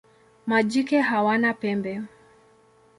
Majike hawana pembe.